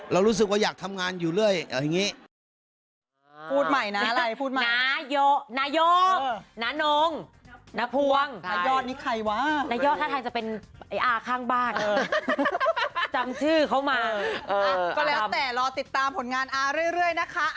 รู้สึกว่าอยากทำงานอยู่เรื่อยเอาอย่างนี้